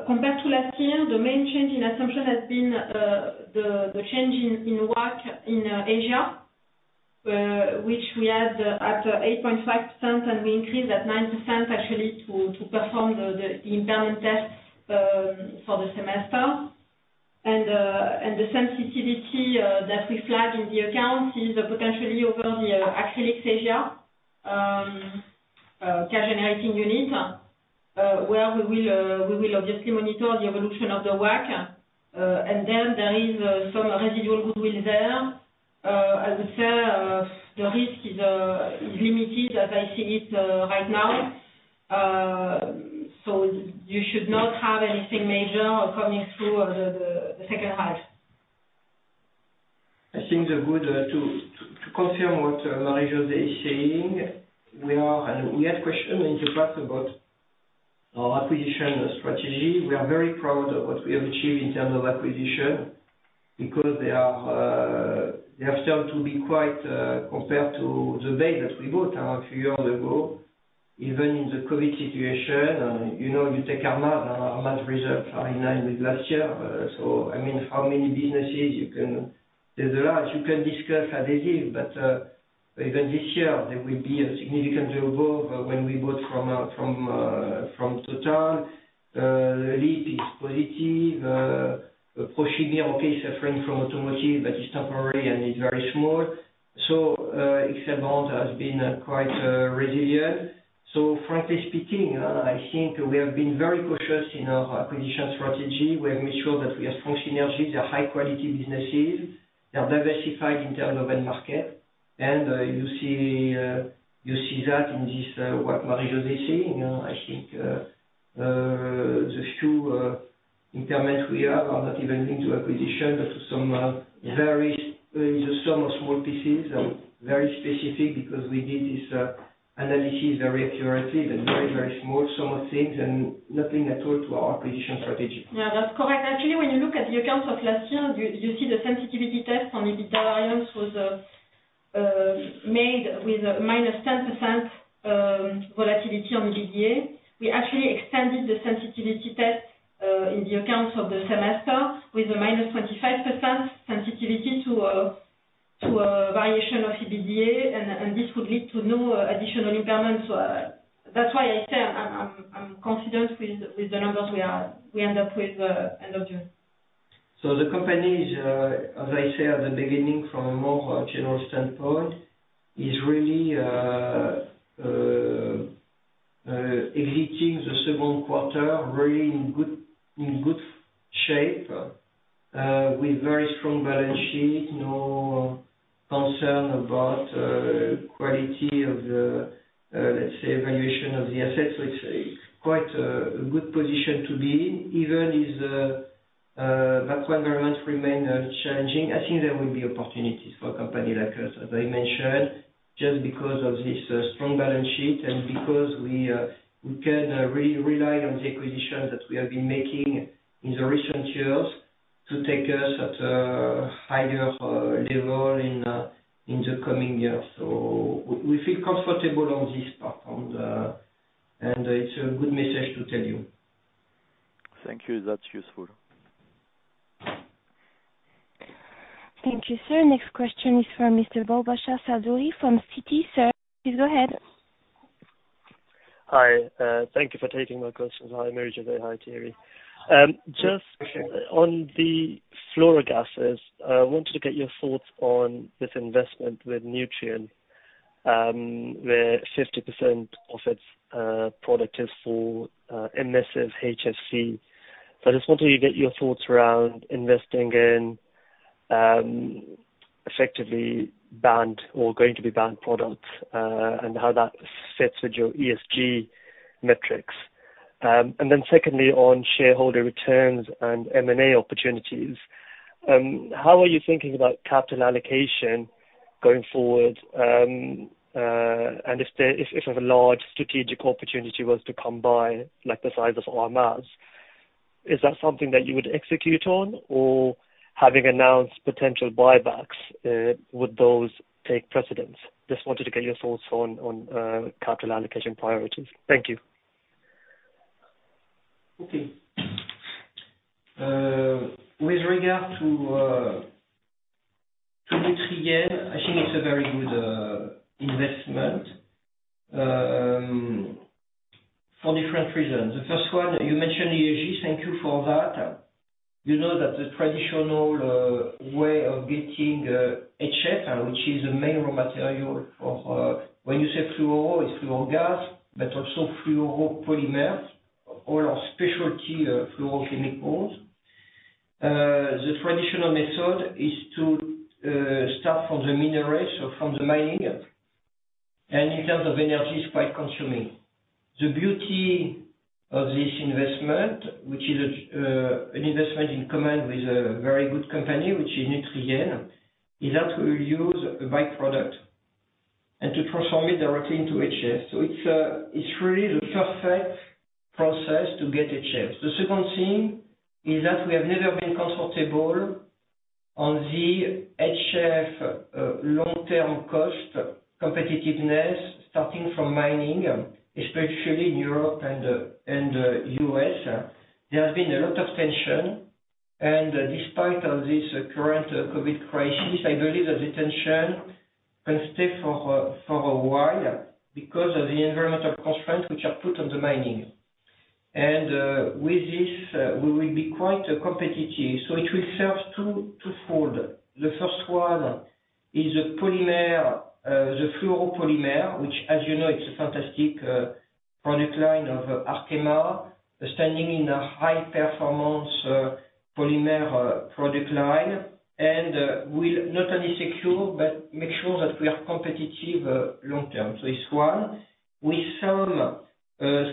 compared to last year, the main change in assumption has been the change in WACC in Asia, which we had at 8.5%, and we increased that 9%, actually, to perform the impairment test for the semester. The sensitivity that we flag in the account is potentially over the Asia Acrylics cash generating unit, where we will obviously monitor the evolution of the WACC. There is some residual goodwill there. I would say the risk is limited as I see it right now. You should not have anything major coming through the second half. I think to confirm what Marie-José is saying, we had question in the past about our acquisition strategy. We are very proud of what we have achieved in terms of acquisition, because they have started to be quite compared to the base that we bought a few years ago, even in the COVID situation. You take Arkema, and Arkema's results are in line with last year. How many businesses? There's a lot you can discuss Adhesive, but even this year, there will be a significant year-over-year when we bought from Total. LIP is positive. Prochimir, okay, suffering from automotive, but it's temporary and it's very small. XL Brands has been quite resilient. Frankly speaking, I think we have been very cautious in our acquisition strategy. We have made sure that we have strong synergies, they're high-quality businesses. They are diversified in terms of end market. You see that in this, what Marie-José is saying. I think the few impairments we have are not even into acquisition, but to some very small pieces and very specific, because we did this analysis very accurately, but very small sum of things and nothing at all to our acquisition strategy. Yeah, that's correct. Actually, when you look at the accounts of last year, you see the sensitivity test on EBITDA variance was made with a -10% volatility on EBITDA. We actually extended the sensitivity test in the accounts of the semester with a -25% sensitivity to a variation of EBITDA. This would lead to no additional impairments. That's why I say I'm confident with the numbers we end up with end of June. The company is, as I said at the beginning, from a more general standpoint, is really exiting the second quarter really in good shape, with very strong balance sheet, no concern about quality of the, let's say, valuation of the assets. It's quite a good position to be. Even if the macro environment remain challenging, I think there will be opportunities for company like us, as I mentioned, just because of this strong balance sheet and because we can really rely on the acquisitions that we have been making in the recent years to take us at a higher level in the coming years. We feel comfortable on this part, and it's a good message to tell you. Thank you. That's useful. Thank you, sir. Next question is from Mr. Mubasher Chaudhry from Citi. Sir, please go ahead. Hi. Thank you for taking my questions. Hi, Marie-José. Hi, Thierry. Just on the Fluorogases, I wanted to get your thoughts on this investment with Nutrien, where 50% of its product is for emissive HFC. I just wanted to get your thoughts around investing in effectively banned or going to be banned products, and how that fits with your ESG metrics. Secondly, on shareholder returns and M&A opportunities, how are you thinking about capital allocation going forward? If a large strategic opportunity was to come by, like the size of ArrMaz, is that something that you would execute on? Having announced potential buybacks, would those take precedence? Just wanted to get your thoughts on capital allocation priorities. Thank you. Okay. With regard to Nutrien, I think it's a very good investment for different reasons. The first one, you mentioned ESG. Thank you for that. You know that the traditional way of getting HF, which is a main raw material for When you say fluoro, it's fluorogas, but also fluoropolymers, all our specialty fluorochemicals. The traditional method is to start from the mineral, so from the mining, and in terms of energy, it's quite consuming. The beauty of this investment, which is an investment in common with a very good company, which is Nutrien, is that we use a by-product and to transform it directly into HF. It's really the perfect process to get HFs. The second thing is that we have never been comfortable on the HF long-term cost competitiveness, starting from mining, especially in Europe and U.S. There has been a lot of tension, despite of this current COVID crisis, I believe that the tension can stay for a while because of the environmental constraints which are put on the mining. With this, we will be quite competitive. It will serve twofold. The first one is the fluoropolymer, which, as you know, it's a fantastic product line of Arkema, standing in a high-performance polymer product line, and will not only secure, but make sure that we are competitive long term. It's one. With some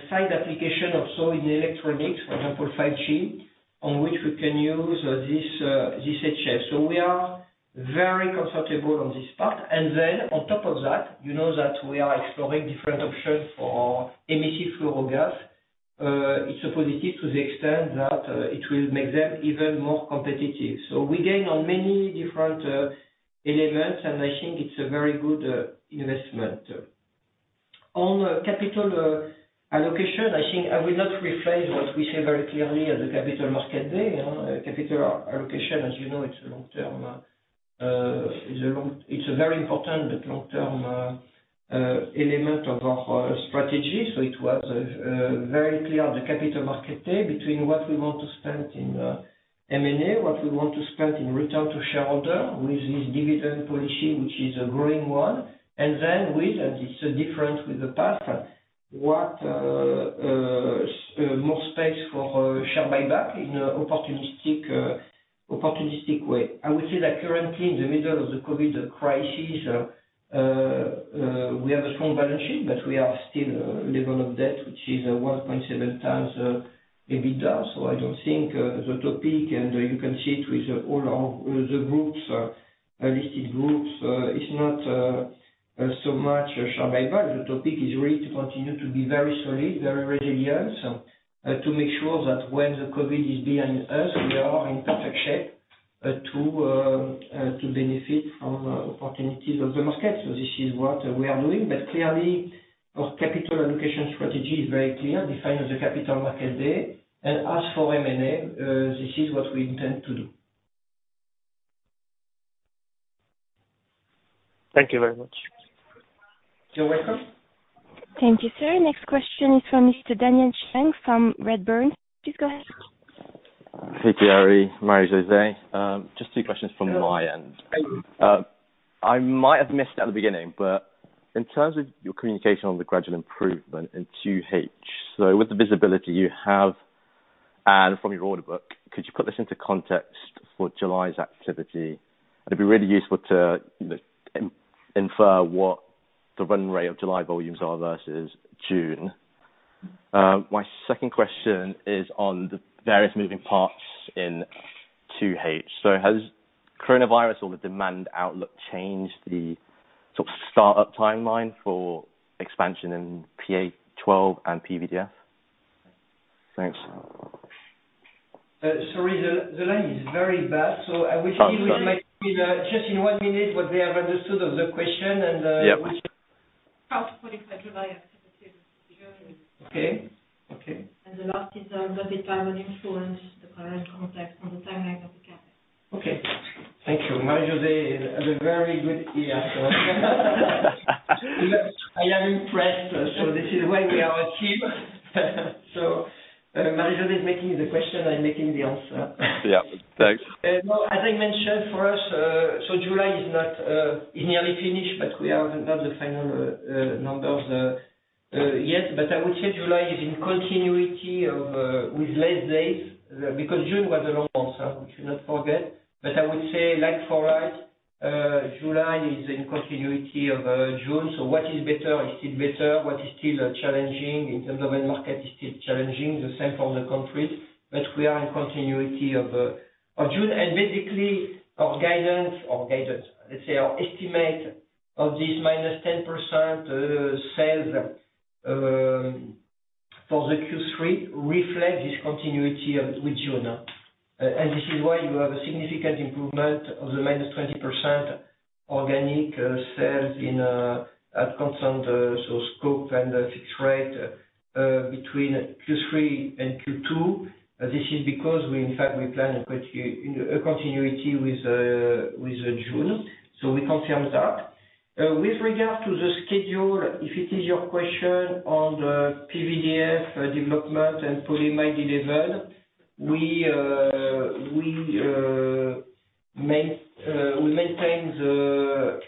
side application also in electronics, for example, 5G, on which we can use this HF. We are very comfortable on this part. On top of that, you know that we are exploring different options for emissive fluorogas. It's a positive to the extent that it will make them even more competitive. We gain on many different elements, and I think it's a very good investment. On capital allocation, I think I will not rephrase what we say very clearly at the Capital Markets Day. Capital allocation, as you know, it's a very important but long-term element of our strategy. It was very clear on the Capital Markets Day between what we want to spend in M&A, what we want to spend in return to shareholder with this dividend policy, which is a growing one. With, and it's different with the past, what more space for share buyback in opportunistic way. I would say that currently in the middle of the COVID crisis, we have a strong balance sheet, but we are still a level of debt, which is a 1.7x EBITDA. I don't think the topic, and you can see it with all our listed groups, it's not so much a share buyback. The topic is really to continue to be very solid, very resilient, to make sure that when the COVID is behind us, we are in perfect shape to benefit from opportunities of the market. This is what we are doing. Clearly, our capital allocation strategy is very clear, defined on the Capital Markets Day. As for M&A, this is what we intend to do. Thank you very much. You're welcome. Thank you, sir. Next question is from Mr. Daniel Chung from Redburn. Please go ahead. Hey, Thierry, Marie-José. Just two questions from my end. Hello. I might have missed it at the beginning, but in terms of your communication on the gradual improvement in 2H, so with the visibility you have and from your order book, could you put this into context for July's activity? It'd be really useful to infer what the run rate of July volumes are versus June. My second question is on the various moving parts in 2H. Has coronavirus or the demand outlook changed the sort of startup timeline for expansion in PA12 and PVDF? Thanks. Sorry, the line is very bad. I would like you to repeat just in one minute what they have understood of the question and which. Yeah. How it's going to drive activity this year. Okay. The last is, does it have an influence, the current context, on the timeline of the CapEx? Okay. Thank you. Marie-José has a very good ear. I am impressed. This is why we are a team. Marie-José is making the question, I'm making the answer. Yeah. Thanks. As I mentioned, for us, so July is nearly finished, but we have not the final numbers yet. I would say July is in continuity with less days, because June was a long month, we should not forget. I would say like for like, July is in continuity of June. What is better is still better, what is still challenging in terms of end market is still challenging, the same for the countries. We are in continuity of June. Basically, our guidance, let's say our estimate of this -10% sales for the Q3 reflects this continuity with June. This is why you have a significant improvement of the -20% organic sales at constant scope and fixed rate between Q3 and Q2. This is because, in fact, we plan a continuity with June. We confirm that. With regard to the schedule, if it is your question on the PVDF development and Polyamide 11, we maintain the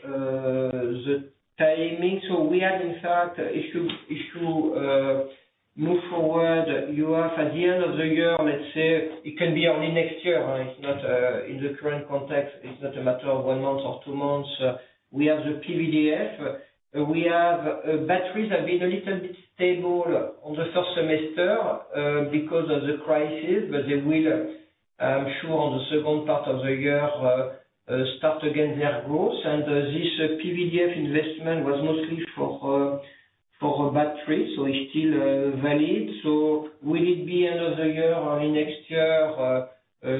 timing. We have, in fact, if you move forward, you have at the end of the year, let's say, it can be only next year. In the current context, it's not a matter of one month or two months. We have the PVDF. Batteries have been a little bit stable on the first semester because of the crisis, they will, I'm sure, on the second part of the year, start again their growth. This PVDF investment was mostly for battery, it's still valid. Will it be end of the year or in next year?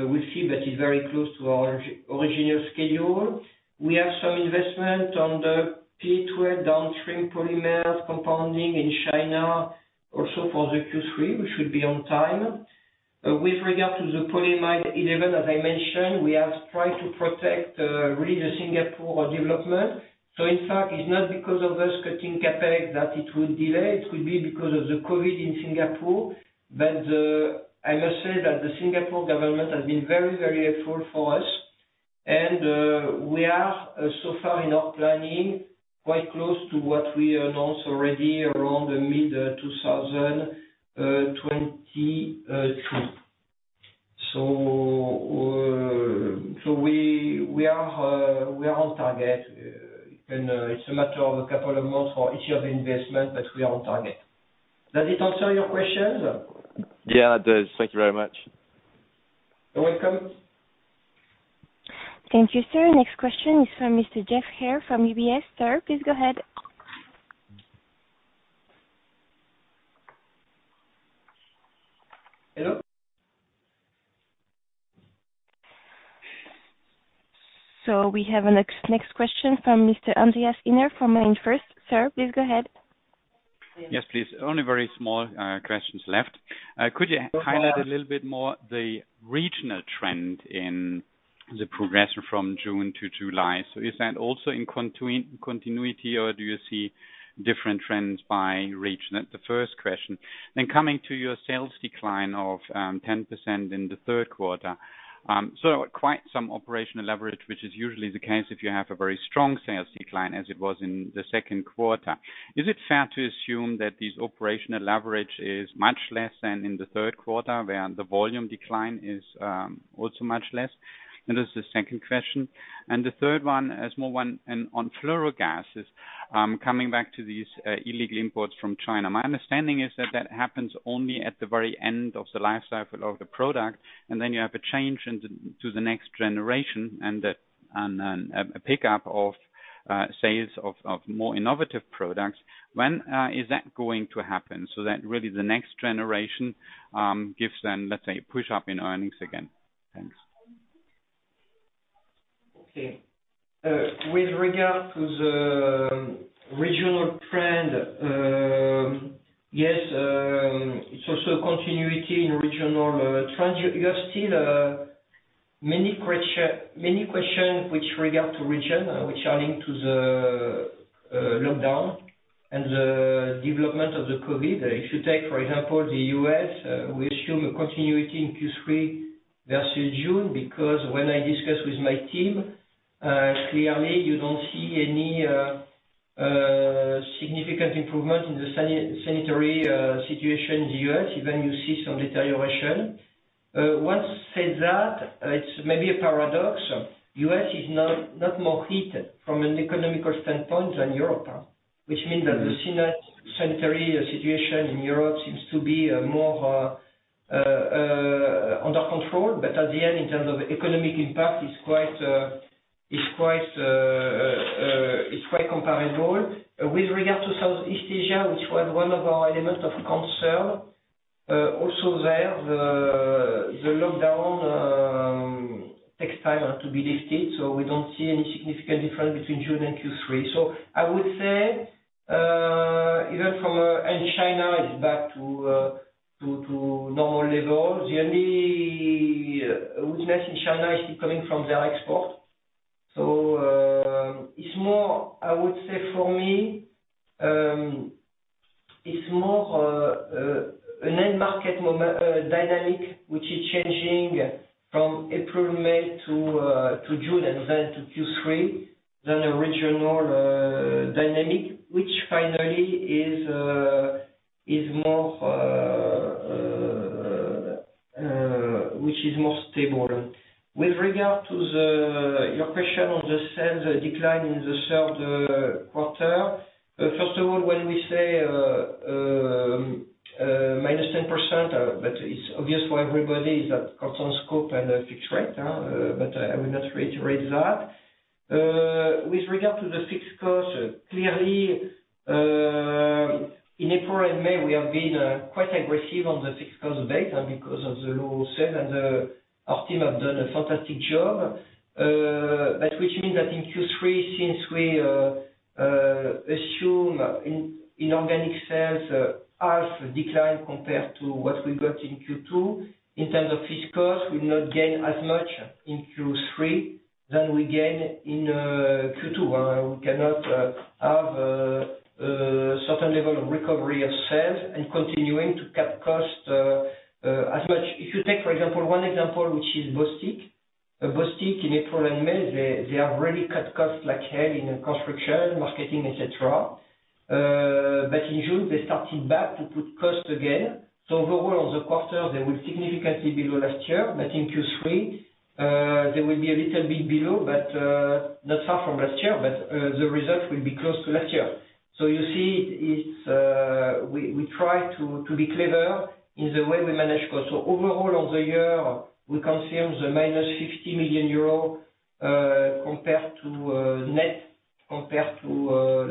We'll see, it's very close to our original schedule. We have some investment on the PA12 downstream polymers compounding in China also for the Q3, which should be on time. With regard to the Polyamide 11, as I mentioned, we have tried to protect really the Singapore development. In fact, it's not because of us cutting CapEx that it will delay, it will be because of the COVID in Singapore. I must say that the Singapore government has been very, very helpful for us. We are so far in our planning, quite close to what we announced already around the mid-2023. We are on target. It's a matter of a couple of months for each of the investment, but we are on target. Does it answer your questions? Yeah, it does. Thank you very much. You're welcome. Thank you, sir. Next question is from Mr. Geoff Haire from UBS. Sir, please go ahead. Hello? We have our next question from Mr. Andreas Heine from MainFirst. Sir, please go ahead. Yes, please. Only very small questions left. Could you highlight a little bit more the regional trend in the progression from June to July? Is that also in continuity, or do you see different trends by region? That's the first question. Coming to your sales decline of 10% in the third quarter. Quite some operational leverage, which is usually the case if you have a very strong sales decline as it was in the second quarter. Is it fair to assume that this operational leverage is much less than in the third quarter, where the volume decline is also much less? This is the second question, and the third one, a small one on Fluorogases. Coming back to these illegal imports from China. My understanding is that that happens only at the very end of the life cycle of the product, and then you have a change to the next generation and a pickup of sales of more innovative products. When is that going to happen so that really the next generation gives them, let's say, a push-up in earnings again? Thanks. With regard to the regional trend, yes, it's also continuity in regional trends. You have still many questions which regard to region, which are linked to the lockdown and the development of the COVID. If you take, for example, the U.S., we assume a continuity in Q3 versus June, because when I discuss with my team, clearly you don't see any significant improvement in the sanitary situation in the U.S., even you see some deterioration. Once said that, it's maybe a paradox. U.S. is not more hit from an economical standpoint than Europe, which means that the sanitary situation in Europe seems to be more under control. At the end, in terms of economic impact, it's quite comparable. With regard to Southeast Asia, which was one of our elements of concern. There, the lockdown takes time to be lifted, we don't see any significant difference between June and Q3. I would say, China is back to normal levels. The only weakness in China is coming from their export. It's more, I would say, for me, it's more an end market dynamic, which is changing from April, May to June to Q3 than a regional dynamic, which finally is more stable. With regard to your question on the sales decline in the third quarter. First of all, when we say -10%, it's obvious for everybody that constant scope and fixed rate. I will not reiterate that. With regard to the fixed cost, clearly, in April and May, we have been quite aggressive on the fixed cost base because of the low sales our team have done a fantastic job. Which means that in Q3, since we assume in organic sales, half decline compared to what we got in Q2, in terms of fixed cost, we not gain as much in Q3 than we gain in Q2. We cannot have a certain level of recovery of sales and continuing to cut costs as much. If you take, for example, one example, which is Bostik. Bostik in April and May, they have really cut costs like hell in construction, marketing, et cetera. In June, they started back to put cost again. Overall on the quarter, they were significantly below last year. In Q3, they will be a little bit below, but not far from last year, but the results will be close to last year. You see, we try to be clever in the way we manage cost. Overall on the year, we confirm the -50 million euros net compared to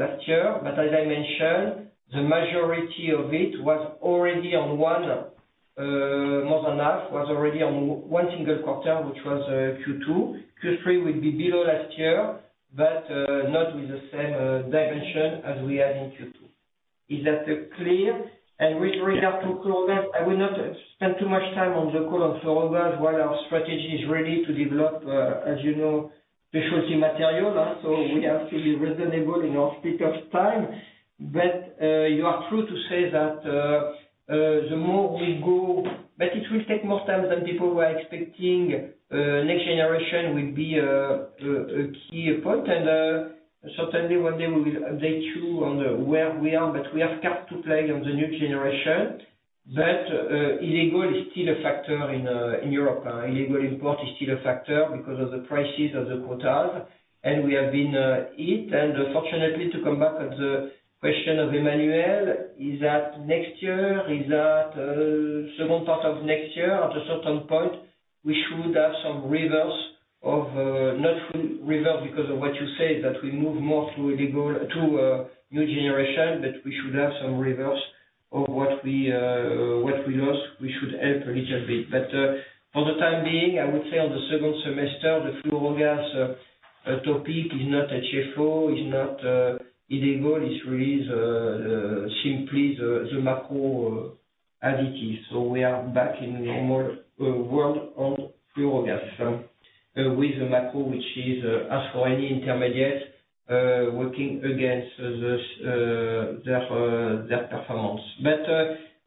last year. As I mentioned, the majority of it was already on one. More than half was already on one single quarter, which was Q2. Q3 will be below last year, but not with the same dimension as we had in Q2. Is that clear? With regard to chloralkali, I would not spend too much time on the call on chloralkali while our strategy is really to develop, as you know, specialty material. We have to be reasonable in our speak of time. You are true to say that it will take more time than people were expecting. Next generation will be a key point, and certainly one day we will update you on where we are. We have cards to play on the new generation. Illegal is still a factor in Europe. Illegal import is still a factor because of the prices of the quotas, and we have been hit. Fortunately, to come back on the question of Emmanuel, is that next year, is that second part of next year? At a certain point, we should have some reverse. Not full reverse because of what you say, that we move more to a new generation, but we should have some reverse of what we lost. We should help a little bit. For the time being, I would say on the second semester, the Fluorogas topic is not HFO, is not illegal, it's really simply the macro additives. We are back in the normal world on Fluorogases. With the macro, which is, as for any Intermediate, working against their performance.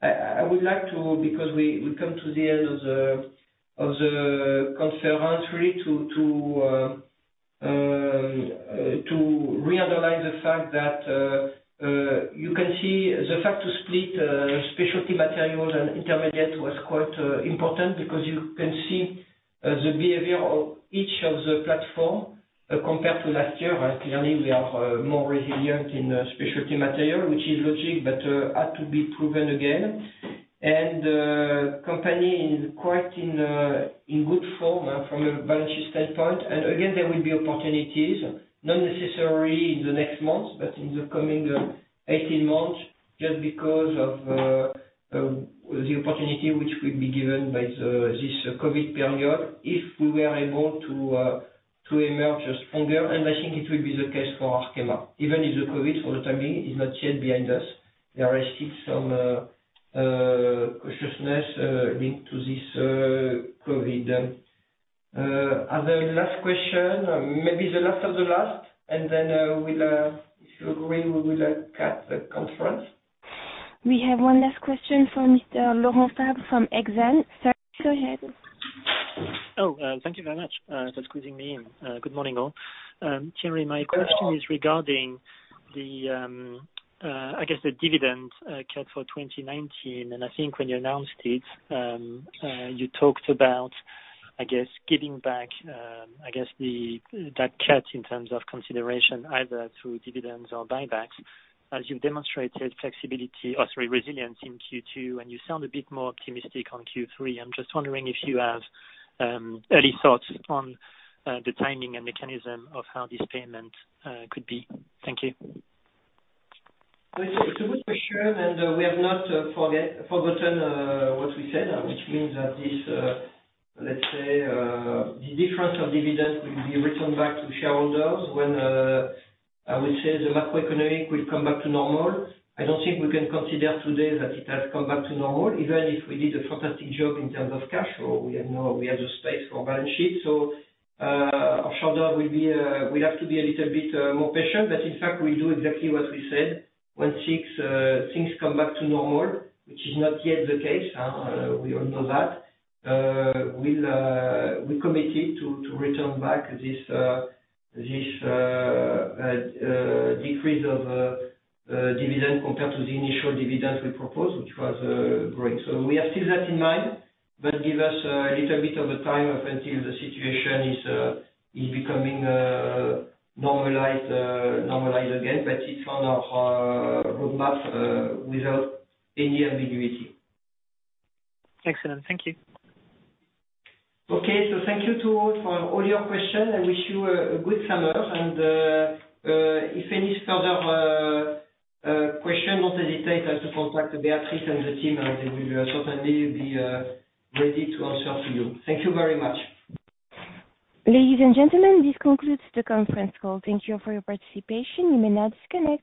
I would like to, because we come to the end of the conference really, to re-underline the fact that you can see the fact to split Specialty Materials and Intermediates was quite important because you can see the behavior of each of the platform compared to last year. Clearly, we are more resilient in Specialty Materials, which is logic but had to be proven again. The company is quite in good form from a balance sheet standpoint. Again, there will be opportunities, not necessarily in the next months, but in the coming 18 months, just because of the opportunity which will be given by this COVID period if we are able to emerge stronger. I think it will be the case for Arkema, even if the COVID, for the time being, is not yet behind us. There are still some cautiousness linked to this COVID. Other last question, maybe the last of the last, and then if you agree, we will end the conference. We have one last question from Mr. Laurent Favre from Exane. Sir, go ahead. Oh, thank you very much for squeezing me in. Good morning, all. Thierry, my question is regarding the dividend cut for 2019. I think when you announced it, you talked about giving back that cut in terms of consideration either through dividends or buybacks. As you've demonstrated resilience in Q2, and you sound a bit more optimistic on Q3. I'm just wondering if you have early thoughts on the timing and mechanism of how this payment could be. Thank you. It's a good question, and we have not forgotten what we said, which means that, let's say, the difference of dividend will be returned back to shareholders when, I would say, the macroeconomy will come back to normal. I don't think we can consider today that it has come back to normal, even if we did a fantastic job in terms of cash flow. We have the space for balance sheet. Our shareholder will have to be a little bit more patient. In fact, we do exactly what we said. Once things come back to normal, which is not yet the case, we all know that, we're committed to return back this decrease of dividend compared to the initial dividend we proposed, which was growing. We have still that in mind, but give us a little bit of a time until the situation is becoming normalized again. It's on our roadmap without any ambiguity. Excellent. Thank you. Thank you to all for all your questions. I wish you a good summer, and if any further questions, don't hesitate to contact Beatrice and the team, and they will certainly be ready to answer to you. Thank you very much. Ladies and gentlemen, this concludes the conference call. Thank you for your participation. You may now disconnect.